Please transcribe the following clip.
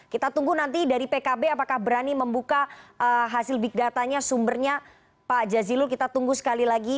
kita tunggu nanti dari pkb apakah berani membuka hasil big datanya sumbernya pak jazilul kita tunggu sekali lagi